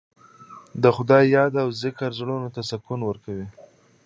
د خدای یاد او ذکر زړونو ته سکون ورکوي.